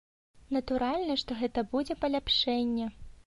Натуральна, што гэта будзе паляпшэнне.